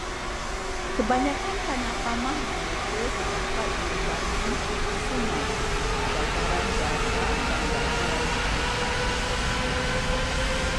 Kebanyakan tanah pamah di Malaysia terdapat di lembangan sungai, dataran, delta dan dataran pantai.